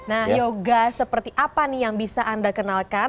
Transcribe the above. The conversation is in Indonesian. nah yoga seperti apa nih yang bisa anda kenalkan